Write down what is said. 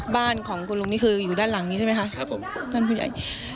บ้านของคุณลุงนี่คืออยู่ด้านหลังนี้ใช่ไหมคะครับผมท่านผู้ใหญ่